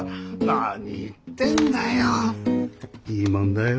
何言ってんだよ。